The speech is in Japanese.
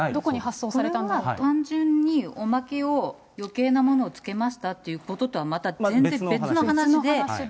それは単純におまけをよけいなものをつけましたっていうこととはまた全然別の話で。